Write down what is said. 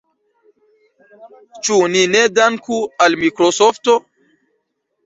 Ĉu ni ne danku al Mikrosofto?